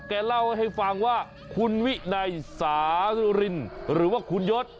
แกเล่าให้ฟังว่าคุณวินัยสาสุรินหรือว่าคุณยศ